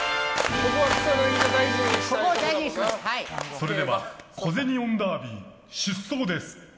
それでは小銭音ダービー、出走です。